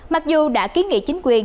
mặc dù đã kiến nghị chính quyền